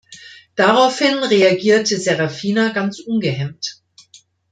Daraufhin reagierte Serafina ganz ungehemmt.